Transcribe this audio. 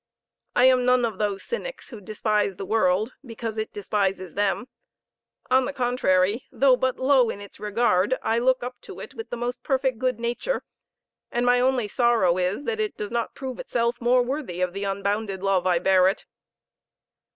I am none of those cynics who despise the world, because it despises them; on the contrary, though but low in its regard, I look up to it with the most perfect good nature, and my only sorrow is, that it does not prove itself more worthy of the unbounded love I bear it.